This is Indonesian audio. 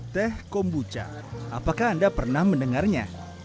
teh kombucha apakah anda pernah mendengarnya